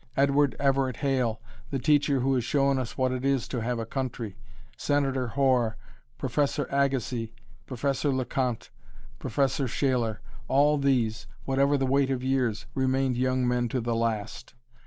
Edward Everett Hale, the teacher who has shown us what it is to have a country. Senator Hoar, Professor Agassiz, Professor Le Conte, Professor Shaler, all these, whatever the weight of years, remained young men to the last.